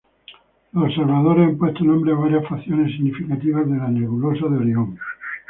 Los observadores han puesto nombre a varias facciones significativas de la nebulosa de Orión.